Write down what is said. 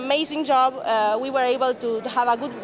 kami melakukan pekerjaan yang luar biasa